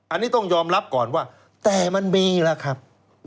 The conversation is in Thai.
อันนี้ต้องยอมรับก่อนว่าแต่มันมีแล้วครับ